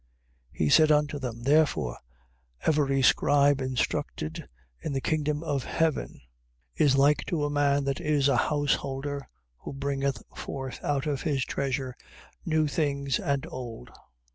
13:52. He said unto them: Therefore every scribe instructed in the kingdom of heaven, is like to a man that is a householder, who bringeth forth out of his treasure new things and old.